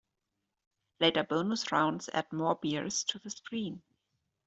Later bonus rounds add more bears to the screen.